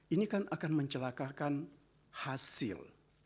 ini kan akan mencelakakan hasil